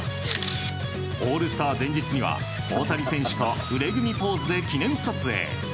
オールスター前日には大谷選手と腕組みポーズで記念撮影。